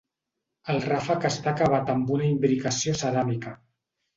El ràfec està acabat amb una imbricació ceràmica.